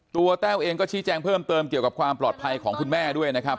แต้วเองก็ชี้แจงเพิ่มเติมเกี่ยวกับความปลอดภัยของคุณแม่ด้วยนะครับ